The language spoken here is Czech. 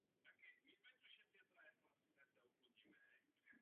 V té době podnikal pokusy s elektrickým pohonem na železnici František Křižík.